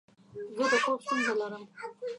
زه د خوب ستونزه لرم.